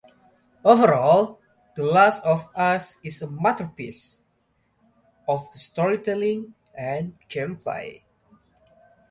Overall, The Last of Us is a masterpiece of storytelling and gameplay.